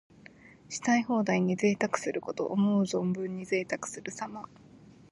したい放題に贅沢すること。思う存分にぜいたくするさま。